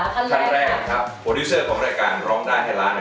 ท่านแรกนะครับโปรดิวเซอร์ของรายการร้องได้ให้ล้าน